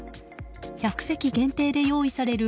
１００席限定で用意される